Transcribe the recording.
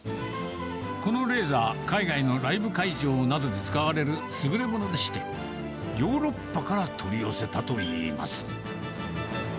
このレーザー、海外のライブ会場などで使われる優れ物でして、ヨーロッパから取り寄せたといいます。